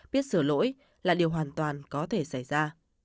biết sửa lỗi là điều hoàn toàn có thể xảy ra